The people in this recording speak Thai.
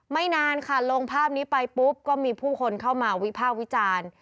นานค่ะลงภาพนี้ไปปุ๊บก็มีผู้คนเข้ามาวิภาควิจารณ์